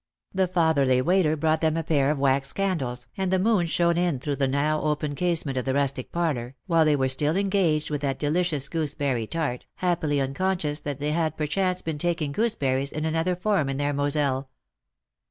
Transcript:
The fatherly waiter brought them a pair of wax candles, and the moon shone in through the now open casement of the rustic parlour, while they were still engaged with that delicious goose berry tart, happily unconscious that they had perchance been taking gooseberries in another form in their Moselle.